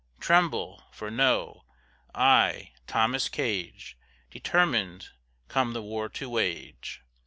Tremble! for know, I, Thomas Gage, Determin'd come the war to wage.